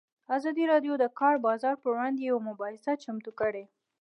ازادي راډیو د د کار بازار پر وړاندې یوه مباحثه چمتو کړې.